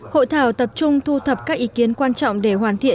hội thảo tập trung thu thập các ý kiến quan trọng để hoàn thiện